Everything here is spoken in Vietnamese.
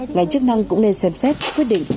ngành chức năng cũng nên xem xét quyết định